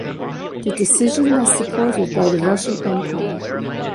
The decision was supported by the Russian Empire.